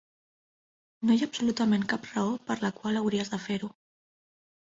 No hi ha absolutament cap raó per la qual hauries de fer-ho.